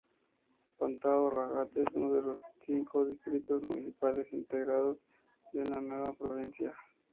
Pantao-Ragat es uno de los cinco distritos municipales integrados en la nueva provincia.